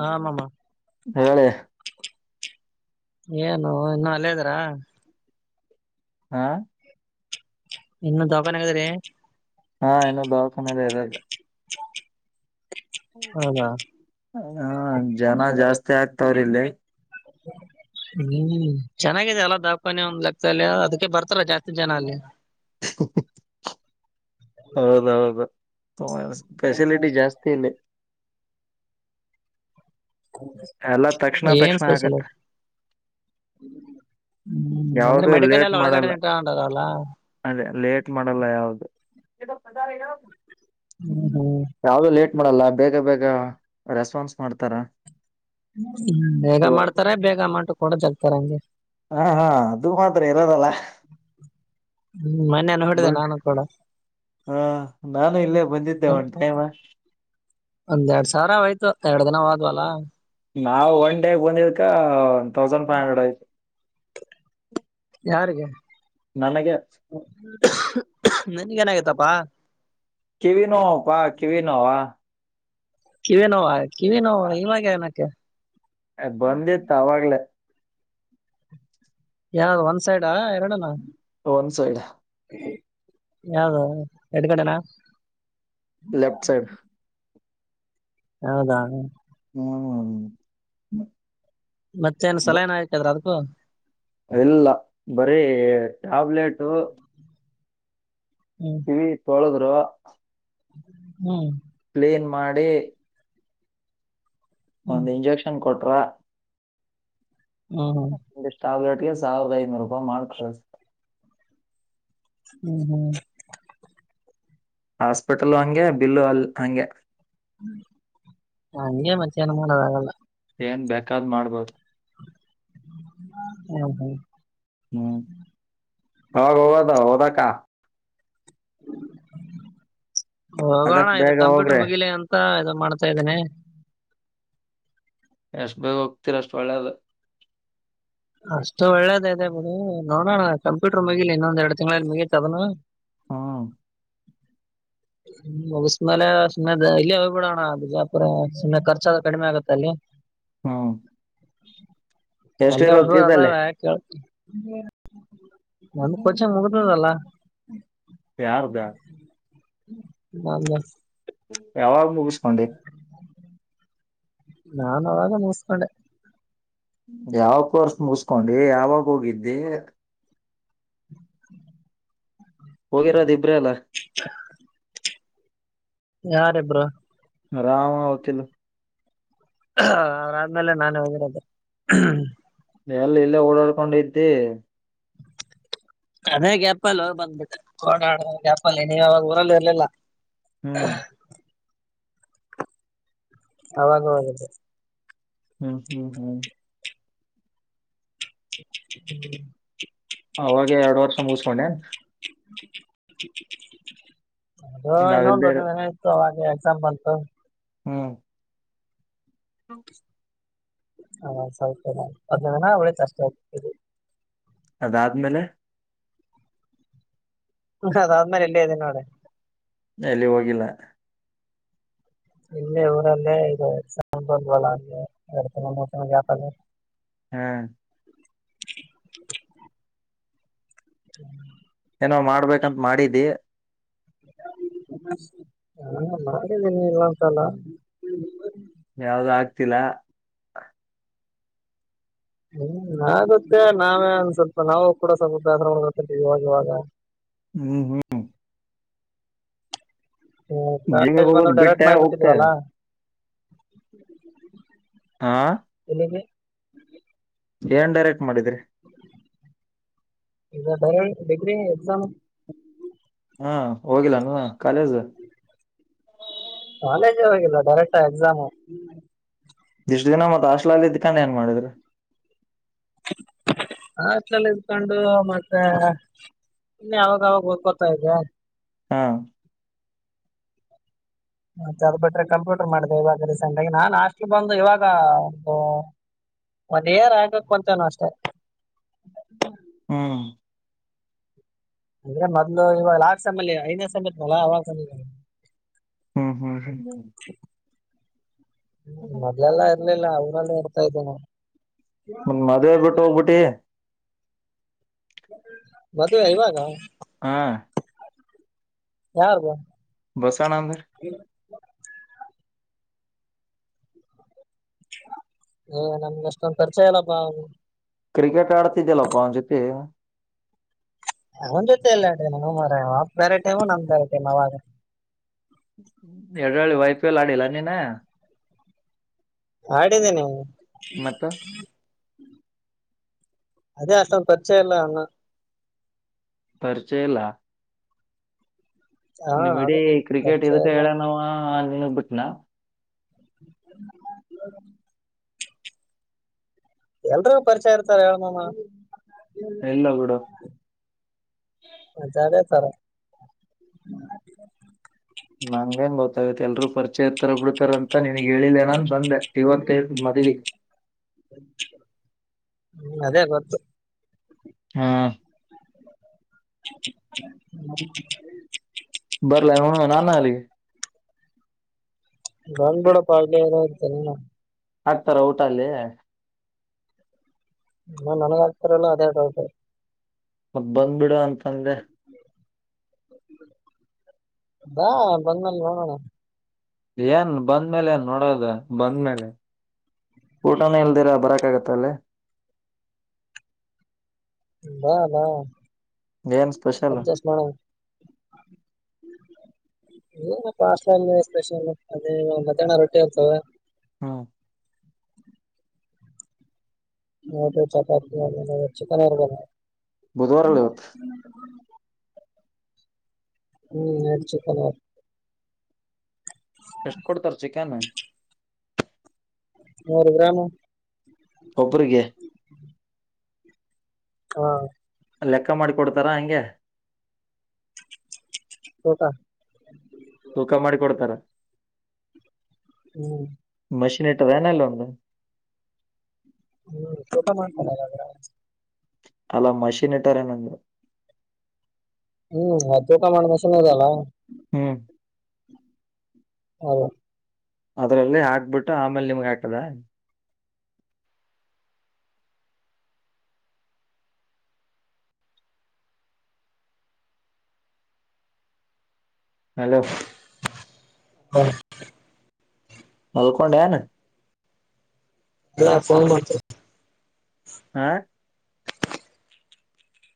ಹಾ ಮಾಮ ಹೇಳಿ. ಏನು ಇನ್ನುೂ ಅಲ್ಲೇ ಇದೀರಾ. ಹಾ ಇನ್ನು ದಾವ್ಖನ್ಯಾಗ ಅದಿರಿ. ಹಾ ಎನ ದಾವಕಾನೆ ರ [unintelligible] ಹೌದಾ ಹ್ಮ್ಮ್ ಜನ ಜಾಸ್ತಿ ಆಗತವ್ರೆ ಇಲ್ಲಿ. [inaudible] ಹ್ಮ್ ಚೆನ್ನಾಗಾಗಿದೆ ಎಲ್ಲ ದಾವಖಾನೆ ಒಂದ್ ಲಕ್ಷ ಅಲ್ಲಯ ಅದಕ್ಕೆ ಬರ್ತಲ್ಲ ಜಾಸ್ತಿ ಜನ ಅಲ್ಲಿ. [unintelligible] ಹೌದೌದು ಫೆಸಿಲಿಟಿ ಜಾಸ್ತಿ ಇಲ್ಲಿ. ಎಲ್ಲಾ ತಕ್ಷಣ ಏನ್ ತಕ್ಷಣ ಸ್ಪೆಷಲ್ ಆಗುತ್ತೆ. ಹ್ಮ್ ಅಂದ್ರೆ ಮೆಡಿಕಲ್ ಎಲ್ಲ ಒಳಗಡೆ [unintelligible] ಅದೇ ಲೇಟ್ ಮಾಡಲ್ಲ ಯಾವ್ದು ಹ್ಮ್ ಹ್ಮ್ ಯಾವ್ದೂ ಲೇಟ್ ಮಾಡಲ್ಲ ಬೇಗ ಬೇಗ ರೆಸ್ಪಾನ್ಸ್ ಮಾಡ್ತಾರ ಹ್ಮ ಬೇಗ ಮಾಡ್ತಾರೆ ಬೇಗ ಅಮೌಂಟ್ ಕೂಡ ಜಗ್ತಾರ ನಂಗೆ ಹ್ಮ್ಮ್ ಹ್ಮ್ಮ್ ಅದು ಮಾತ್ರ ಇರೋದಲ್ಲ. ಹ್ಮ್ ಮೊನೆ ನೋಡಿದೆ ನಾನು ಕೂಡ. ಹಾ ನಾನು ಇಲ್ಲೇ ಬಂದಿದ್ದೆ ಒನ್ ಟೈಮ. ಒಂದ್ ಎರಡ್ ಸಾವಿರ ಆಯ್ತು ಎರಡ್ ದಿನವಾದ್ವಲ್ಲ. ನಾವವು ಒನ್ ಡೇಗ್ ಬಂದಿದಕ ಒ ತೌಸಂಡ್ ಫೈವ್ ಹಂಡ್ರೆಡ್ ಆಐತು ಯಾರಿಗೆ ನನಗೆ ನಿನಗ ಏನು ಆಗಿತಪ್ಪ. ಕೀವಿ ನೋ ಪಾ ಕಿವಿ ನೋ ಕಿವೇ ನೋವ ಕಿವಿ ನೋವ ಇವಾಗ ಏನಕೆ. ಬಂದಿತ್ತ ಅವಾಗ್ಲೇ ಯಾವ್ದ ಒಂದ್ ಸೈಡ್ ಎರಡನ ಒನ್ ಸೈಡ್ ಯಾವ್ದ ಎಡು ಕಡೆನಾ ಲೆಫ್ಟ ಸೈಡ್ [unintelligible] ಹೌದಾ ನ ಮಾಡ [unintelligible] ಮತ್ತೇಏನ್ ಸಲ ಏನ ಆಯ್ತದ್ರ ಅದ್ಕ್ಕೂ ಇಲ್ಲ ಬರೀ ಟ್ಯಾಬ್ಲೆಟು ಹ್ಮ್ ಕಿವ ತೊಳದ್್ರ ಹ್ಮ್ ಪ್ಲೇನ್ ಮಾಡೆ ಹ್ಮ್ ಒಂದ್ ಇಂಜೆಕ್ಷನ್ ಕೊಟ್ರ ಹ್ಮ್ ಹ್ಮ್ ಒಷ್ಟು ಟಾಬ್ಲೆಟ್ಗೆ ಸಾವಿರದ ಐನೂರು ರೂಪಾಯಿ ಮಾಡ್ಕ ಹ್ಮ್ ಹ್ಮ್ ಹಾಸ್ಪಿಟಲ್ ಹಂಗೆ ಬಿಲ್ಲು ಅಲ್ ಹಂಗೆ ಹಂಗೆ ಮಧ್ಯಾಹ್ನ ಮಾಡೋದಾಗಲ್ಲ ಏನ್ ಬೇಕಾದ್ ಮಾಡ್ಬೋದು ಹ್ಮ ಹಾ ಹ್ಮ್ ಹಾಗ ಹೌದ ಹದ ಕಾ ಹೋಗೋಣ ಅದಕ್ ಇದು ಬೇಗ ಕಂಪ್ಯೂಟರ್ ಹೋಗ್ರಿ ಮುಗಿಲಿ ಅಂತ ಇ ಮಾಡ್ತಾ ಇದ್ದೇನೆ ಎಷ್ಟ ಬೇಗ ಹೋಗ್ತೀರ ಅಷ್ಟ ಒಳ್ಳೆಲ್ಲ ಅಷ್ಟು ಒಳ್ಳೇದದೆ ಬಿಡ ನೋಡೋಣ ಕಂಪ್ಯೂಟರ್ ಮುಗಿಲಿ ಇನ್ನೊಂದೆರಡು ತಿಂ್ಗಳಲ್ಲಿ ಮುಗತ್ದನು ಹ್ಮ್ ಮುಿಸ್ಮೇಲೆ ಸುಮ್ಮನೆ ಇಲ್ಲಿ ಹೋಗ್ಬಿಡೋಣ ಅಜಪುರ ಸುಮ್ಮ್ನೆ ಖರ್ಚ ಕಡಿಮೆ ಆಗತ್ತೆ ಅಲ್ಲಿ ಹ್ಮ್ ಅಲ್ಲಿ ಎಷ್ಟಿರೋದ್ ಹೊಡ ಫೀಸ್ ಅಲ್ಲಿ ಅದಾವ ಒಂದ ಕೊಚಂಗ ಮುಗದಲ್ಲ ಪ್ಯಾರದ [unintelligible] ನ ಯಾವಾಗ ಮೂವಿಸ್ಕೊಂಡೆ ನಾನು ಅವಾಗ ಮುಗಸ್ಕೊಂಡೆ ಯಾವ ಕೋರ್ಸ್ ಮುಗಸ್ಕೊಂಡಿ ಯಾವಾಗ ಹೋಗಿದ್ದಿ [inaudible] ಹೋಗಿರೋದು ಇಬ್ರೇ ಅಲ್ಲ ಯಾರಬ್ಬ್ರ ರಾಮ ವಕೀಲ ಹ ಅವ್ರ ಆದ್ಮೇಲೆ ನಾನೇ ಹೋಗಿರೋದ ಎಲ್ಲ ಇಲ್ಲೇ ಓಡಾಡ್ಕೊಂಡ ಇದ್ದಿ ಅದೇ ಗಪ ಅಲ್ಲ ಬಂದ್ಬಿಟ್ಟ ಓಡಾಡ ಗಪ ಅಲ್ಲಿ ನೀವು ಅವಾವಾಗ ಊರಲ್ಲಿ ಇರ್ಲಿಲ್ಲ ಹ್ಮ್ [unintelligible] ಅವಾಗವಾಗದು ಹ್ಮ ಹ್ಮ ಹ್ಮ [unintelligible] [inaudible] ಅವಾಗ ಎರಡು ವರ್ಷ ಮುಗಿಸಕೊಂಡೆ ಅದ ಇನ್ನೊಂದು ನಾವಿಲ್ದೇ ಅದು ಇರ ನ ಹಾಗ ಸ ಬತ ಹ್ಮ [unintelligible] ಹ್ಮ [unintelligible] ಹಾ ಸೌಲ್ಪನಾ ಅವಳಿ ಕಷ್ಟ ಆಗ್ತದೆ ಅದಾದ ಮೇಲೆ ಹ ಅದಾದ ಮೇಲೆ ಇಲ್ಲ ಇದೋಡೆ ಎಲ್ಲಿ ಹೋಗಿಲ್ಲ ಇಲ್ಲಿ ಇಊರಲ್ಲೇ ಇದುಲ್ಲ ಅ ಎ್ಯಾಪ ಹ್ಮ್ [unintelligible] ಹ್ಮ ಏನೋ ಮಾಡ್ಬೇಕಂತ ಮಾಡಿದ್ದಿ ನಾ ಮಾಡಿದ್ದೀನಿ ಇಲ್ಲಂತಲ್ಲ ಯಾವ್ದ ಆಗ್ತಿಲ್ಲ ಹ್ಮ ನಾಗುತ್ತೆ ನಾವೇ ಒಂದ ಸ್ವಲ್ಪ ನಾವು ಕೂಡ ಸ್ವಲ್ಪ ದಾಸ ಮಾಡತ ಇವಾಗ -ಇವಾಗ ಹ್ಮ - ಹ್ಮ ಹ್ಮ ಜಿಮ್ಮಿಗ್ ಬಂದು ಹೋಗೋದ್ ಡೈರೆಕ್ಟ್ ಬಿಟ್ಟೆ ಹೋಗ್ತಾ ಮಾಡಬಿಡ್ಟದ್ವಲ್ಲ ಇದೆ ಹಾ ಹ ಏನ್ ಡೈರೆಕ್ಟ್ ಮಾಡಿದ್ರಿ ಇ ಬ ಗ್ರಿ ಎಕ್ಸಾಮ್ ಹಾ ಹೋಗಿಲ್ಲಾನ ಕಾಲೇಜ ಕಾಲೇಜ್ ಹೋಗಿಲ್ಲ ಡೈರೆಕ್ಟ್ ಎಕ್ಸಾಮು ಇಷ್ಟು ದಿನ ಮತ್ತತ್ ಆಸ್ಲಲ್ಲಿ ಇದ್ದಕಾನ ಏನ್ ಮಾಡಿದ್ರ ಹ ಅಟ್ಲ ಇದಕೊಂಡು ಮತ್ತೆ ಇನ್ನ ಯಾವಾಗ ಅವಾಗ ಓದ್ಕೋತಾ ಇದೆ ಹಾ ಮತ್ತೆ ಅದು ಬಿಟ್ರೆ ಕಂಪ್ಯೂಟರ್ ಮಾಡಿದೆ ಇವಾಗ ರೀಸೆಂಟ್ ಆಗಿ ನಾನ್ ಆಾಸ್ಟ್ ಬಂದು ಇವಾಗ ಒಂದು ಒಂದರ್ ಹಿಯರ್ ಅಂತನ ಅಷ್ಟೆ ಹ್ಮ್ ಅಂದ್ರೆ ಮೊದ್ಲು ಇವ ಲಾಕ್ಟ್ ಸ ಅಲ್ಲಿ ಐದನೇ ಸ್ ಇರ್ನಲ್ಲ ಅವಾಗ ಹ್ಮ್- ಹ್ಮ್ ಹ್ಮ ಮೊದ್ಲೆಲ್ಲಾ ಇರ್ಲಿಲ್ಲ ಅವನಲ್ಲ ಇರ್ತಾ ಇದ್ದೇ ನಾ ಮದ್ವೆ ಬಿಟ್ಟು ಹೋಗ್ಬಿಟ್ಟಿ ಬದುಆವಾಗ ಹಾ ಯಾರ್ದು ಬಸಣ ಅಂದ್ರ ಏ ನನಗಷ್ಟೊಂದ್ ಪರಿಚಯ ಇಲ್ಲಪ್ಪಾ ಅವ್ನು ಕ್ರಿಕೆಟ್ ಆಡ್ತಿದ್ಯಲ್ಲಪ್ಪ ಅವ್ನ್ ಜೊತೆ ಅವನ್ ಜೊತೆ ಎಲ್ಲಾ ಆಡಿದ್ದಿನೋ ಮರಾಯ ಅವ್ನ್ ಬೇರೆ ಟೀಮು ನನ್ ಬೇರೆ ಟೀಮು ಅವಾಗ ಎಡ್ರಳ್ಳಿ ವೈ ಪಿ ಎಲ್ ಆಡಿಲ್ಲ ನೀನ ಆಡಿದ್ದೀನಿ ಮತ್ತ ಅದೇ ಅಷ್ಟೊಂದ್ ಪರಿಚಯ ಇಲ್ಲ ಅಣ್ಣ ಪರಿಚಯ ಇಲ್ಲ ಹಾ ನಿಮ್ ಇಡೀ ಅದೇ ಕ್ರಿಕೆಟ್ ಪರಿಚಯ ಇದಕ್ಕೆ ಇಲ್ಲ ಹೇಳನವ ನಿನಗ್ ಬಿಟ್ನಾ ಎಲ್ರಿಗೂ ಪರಿಚಯ ಇರ್ತಾರ ಹೇಳ್ ಮಾಮ ಇಲ್ಲ ಬಿಡು ಸರೇ [unintelligible] ಚೇ ಹತ್ತರ ಬಿಡ್ತಾರಂತ ನಿನಗ್ ಹೇಳಿಲ್ಲೆ ನಾನ್ ಬಂದೆ ಇವತೈತ್ ಮದ್ವಿ. ಹ್ಮ್ ಅದೇ ಗೊತ್ತು. ಹಾ. [unintelligible] ಬರ್ಲೇನ್ [unintelligible] ನಾನು ಅಲ್ಲಿಗೆ ಬಂದ್ಬಿಡು ಪಾ ಇಲ್ಲೇ ಇರುವಂತೆ ನೀನು. ಹಾಕ್ತಾರ ಊಟ ಅಲ್ಲಿ. ಹಾ ನನಗ್ ಹಾಕ್ತಾರಲ್ಲ ಅದೇ ಡೌಟು. ಮತ್ತ್ ಬಂದ್ಬಿಡು ಅಂತಂದೆ. ಬಾ ಬಂದ್ಮೇಲ್ ನೋಡೋಣ. ಏನ್ ಬಂದ್ಮೇಲೆ ಏನ್ ನೋಡೋದ ಬಂದ್ಮೇಲೆ. ಊಟನೇ ಇಲ್ದಿರ ಬರಕಾಗತ್ತ ಅಲ್ಲೇ. ಬಾ ಬಾ. ಏನ್ ಸ್ಪೆಷಲ್. ಅಡ್ಜಸ್ಟ್ ಮಾಡೋಣ ಏನ ಪಾಸ್ ಅಲ್ಲ ಸ್ಪೆಷಲ್ ಅದೇ ಮಧ್ಯಾಹ್ನ ರೊಟ್ಟಿ ಇರ್ತವೆ. [inaudible] [unintelligible] ಚಪಾತಿ ಆಮೇಲೆ ಚಿಕನ್ ಇರ್ಬಹುದಾ. ಬುಧವಾರಲ್ಲ ಇವತ್ತು. ಹ್ಮ್ ನೈಟ್ ಚಿಕನೇ. ಎಷ್ಟ್ ಕೊಡ್ತಾರ್ ಚಿಕನ್. ನೂರು ಗ್ರಾಮು. ಒಬ್ರಿಗೆ ಹಾ. ಲೆಕ್ಕ ಮಾಡಿಕೊಡ್ತಾರಾ ಹಂಗೆ. ಊಟ. ತೂಕ ಮಾಡಿ ಕೊಡ್ತಾರ. ಹ್ಮ್. ಮಷನ್ ಇಟ್ಟದನಲ್ಲಂದು ಹ್ಮ್ ಊಟ ಮಾಡನ್ ಮ ಅಲ್ಲಾ ಮಷೀನ್ ಇಟ್ಟಾರೇನಂದ್ರ. ಹ್ಮ್ ಆ ತೂಕ ಮಾಡೋ ಮಿಷಿನ್ ಇದಲ್ಲ. ಹ್ಮ್. ಹೌದಾ. ಅದ್ರಲ್ಲಿ ಹಾಕ್ಬಿಟ್ಟು ಆಮೇಲೆ ನಿಮ್ಗ್ ಹಾಕದ. ಹಲೋ. ಹಾ. ಮಲ್ಕೊಂಡೇನ. ಇಫೋನ್ ಮಾಡತ [inaudible] ಹಾ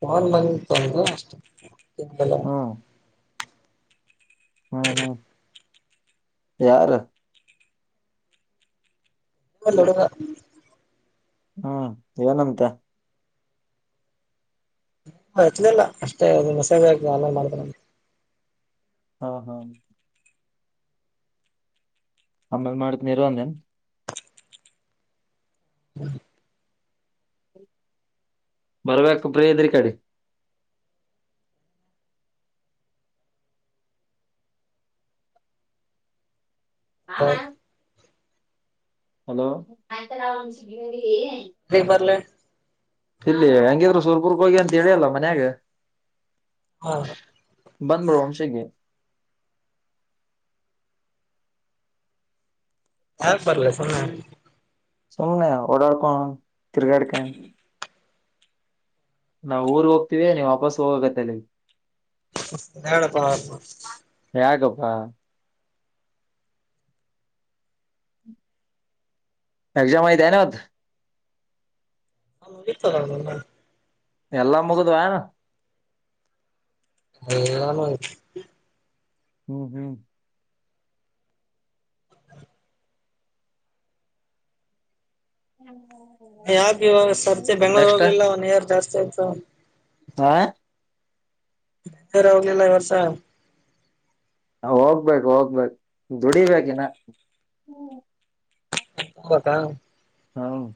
ನನ್ ಮಂದಂದ ಅಷ್ಟಲ್ಲ ಹ್ಮ್ ಹ್ಮ್ ಹ್ಮ್ ಯಾರ ಹ ತೊಡುಗ ಹ್ಮ್ ಏನಂತ ಎತ್ಲಿಲ್ಲ ಅಷ್ಟೇ ನಿಮ್ಮ ಸೇವೆ ಆಕ ನ ಮಾಡ್ತ ಹಾ ಹಾ ಹಮೇಲ್ ಮಾಡತನಿರ ಅಂದೇನ್ ಹ್ಮ ಬರ್ಬೇಕ ಪ್ರದ್ರಿ ಕಡೆ ಆಮ ಹಲ ಆಯ್ ಬೇಗ್ ಬರ್ಲೆ ಇಲ್ಲಿ ಹಂಗಿದ್ರು ಸುರ್ಪುರ್ಗ ಹೋಗಿ ಅಂತ ಹೇಳಿ ಅಲ್ಲ ಮನ್ಯಾಗ ಹಾ ಬಂದಬ್ರಮಸಗೆ ಯಾ ಬರ್ಲ್ಲ ಸಮ್ಮ ಸುಮನೆ ಒಡಕ ತಿರುಗಾಡ್ಕ್ಕ ನಾವು ಊರ್ ಹೋಗ್ತೀವಿ ನೀವು ವಾಪಸ್ ಹೋಗಬೇಕತ್ತಲ್ಲಿ ಹಡ ಬಾ ಹಾ ಎಸಾಮ ಆದೆನತ್ [inaudible] ನ ಇರ್ತರಲ್ಲ [inaudible] ಎಲ್ಲಾ ಮುಗಿದವಾ [unintelligible] ಹ್ಮ್ ಹ್ಮ್ ಹ್ಮ್ ಯಾಗ ಇವಾಗ ಸರ್ತಿ ಬೆಂಗ್ಳೂರ್ ಹೋಗ್ಲಿಲ್ಲ ಒನ್ ಇಯರ್ ಜಾಸ್ತಿ ಆಯ್ತು ಆ ರ ಅವಲಲ್ಲ ವರ್ಷ ಹೋಗ್ಬೇಕು ಹೋಗ್ಬೇಕು ದುಡಿಬೇಕಿನ ಹತಾ [inaudible] ಹೌ [inaudible]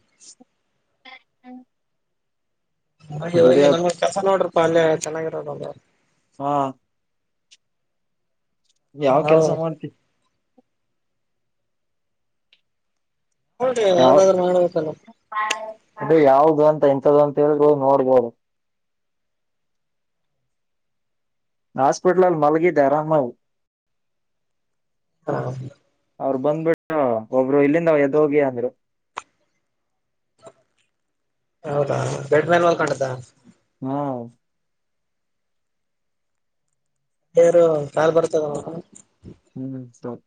ಹಾಗೆ ಹೋಗಿ ನಮಗೂ ಕೆಲಸ ನೋಡ್ರಿಪಾ ಅಲ್ಲೇ ಚೆನ್ನಾಗಿರೋದ ಹಾ ಯಾವ ಹೌ ಕೆಲ್ಸ ಮಾಡ್ತಿ ನೋಡ್ರಿ ಯಾವ ಯಾವ್ದಾದ್ರು ಮಾಡ್ಬೇಕಲ್ಲ ಅದು ಯಾವ ಇದು ಅಂತ ಇಂಂತ್ದ ಅಂತ ಹೇಳ್ಬದು ನೋಡ್ಬೋದು ಹಾಸ್ಪಿಟಲಲ್ ಮಲಗಿ ಧರಾಮವು ಹಾ ಅವರು ಬಂದ್ಬಿಟ್ಟ ಒಬ್ರು ಇಲ್ಲಿಂದ ಎ್ದೋಗಿ ಅಂದರು ಹೌದಾ ಬೆಡ್ ಮ್ಯಾನ್ ಮಲ್ಕೊಂಡದ ಹ್ಮ ಯಾರ ಕಾಲ್ ಬರ್ತದ ಹ್ಮ್ ಸ್ಟಾಪ್